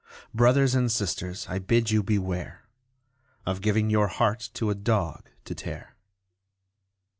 Brothers and sisters, I bid you beware Of giving your heart to a dog to tear.